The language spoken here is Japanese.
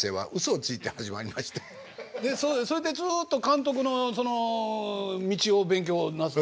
それでずっと監督のその道を勉強なさって？